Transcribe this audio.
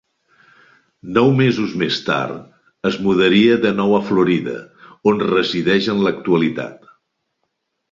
Nou mesos més tard, es mudaria de nou a Florida, on resideix en l'actualitat.